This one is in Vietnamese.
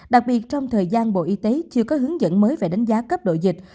đặc biệt trong thời gian bộ y tế chưa có hướng dẫn mới về đánh giá cấp độ dịch